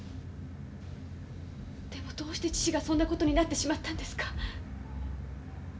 でもどうして父がそんなことになってしまったんですか？